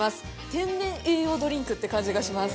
天然栄養ドリンクって感じがします。